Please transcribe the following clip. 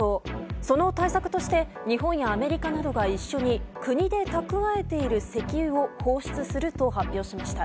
その対策として日本やアメリカなどが一緒に国で蓄えている石油を放出すると発表しました。